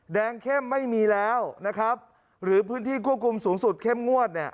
เข้มไม่มีแล้วนะครับหรือพื้นที่ควบคุมสูงสุดเข้มงวดเนี่ย